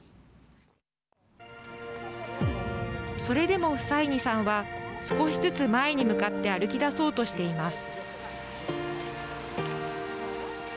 それでも、フサイニさんは少しずつ前に向かって歩き出そうとしています。